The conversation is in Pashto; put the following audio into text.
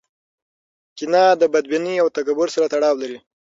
کینه د بدبینۍ او تکبر سره تړاو لري.